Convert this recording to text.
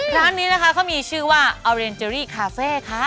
ร้านนี้นะคะเขามีชื่อว่าออเรนเจอรี่คาเฟ่ค่ะ